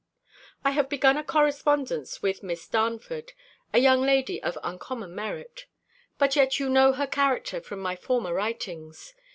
I have begun a correspondence with Miss Darnford, a young lady of uncommon merit. But yet you know her character from my former writings.